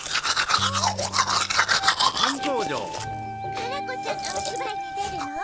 ・カラコちゃんがおしばいにでるの？